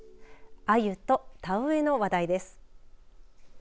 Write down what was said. アユと田植えの話題です。